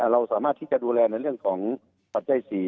เราสามารถที่จะดูแลในเรื่องของปัจจัย๔